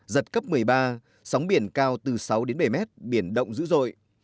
giật cấp một mươi ba sóng biển cao từ sáu đến bảy mét biển động dữ dội